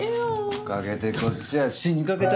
お陰でこっちは死にかけた！